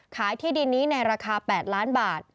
ที่ดินนี้ในราคา๘ล้านบาท